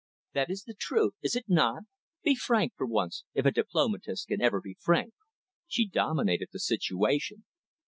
That is the truth, is it not? Be frank for once, if a diplomatist can ever be frank." She dominated the situation.